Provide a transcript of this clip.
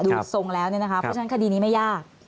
ทรงแล้วเนี่ยนะคะเพราะฉะนั้นคดีนี้ไม่ยาก